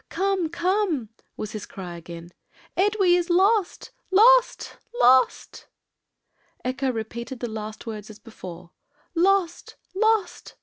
'Come, come,' was his cry again, 'Edwy is lost! lost! lost!' Echo repeated the last words as before, 'Lost! lost!